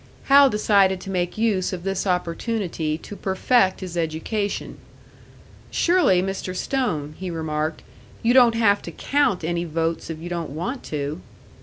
Hal decided to make use of this opportunity to perfect his education. "Surely, Mr. Stone," he remarked, "you don't have to count any votes if you don't want to!"